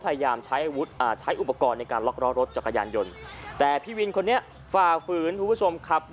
ไปเจอเหตุการณ์นี้พอดีนะครับ